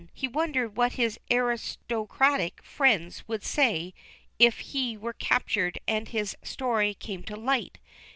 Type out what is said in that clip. He wondered what his aristocratic friends would say if he were captured and his story came to light.